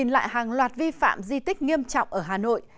loạt vi phạm di tích nghiêm trọng ở hà nội